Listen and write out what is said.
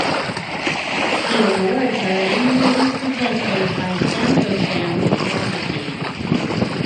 The awards are annually presented by "Santosham" magazine.